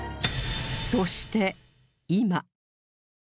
そして今